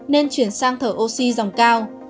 nên chuyển sang thở oxy dòng cao